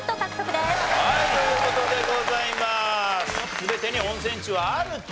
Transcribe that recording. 全てに温泉地はあると。